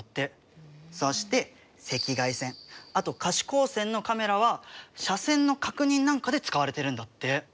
そして赤外線あと可視光線のカメラは車線の確認なんかで使われてるんだって。